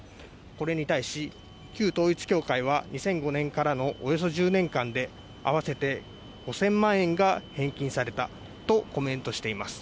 これに対し旧統一教会は２００５年からのおよそ１０年間で合わせて５０００万円が返金されたとコメントしています